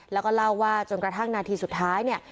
แล้วก็เล่าว่าจนกระทั่งนาทีสุดท้ายเนี่ย